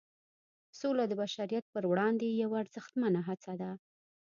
سوله د بشریت پر وړاندې یوه ارزښتمنه هڅه ده.